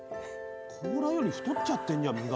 甲羅より太っちゃってんじゃん身が。